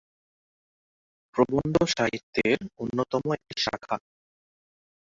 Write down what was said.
প্রবন্ধ সাহিত্যের অন্যতম একটি শাখা।